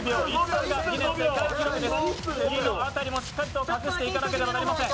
首の辺りもしっかりと隠していかなければなりません。